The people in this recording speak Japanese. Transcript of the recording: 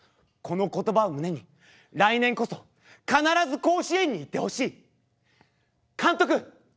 この言葉を胸に来年こそ必ず甲子園に行ってほしい。監督。